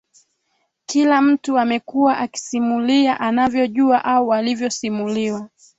kila mtu amekuwa akisimulia anavyojua au alivyosimuliwa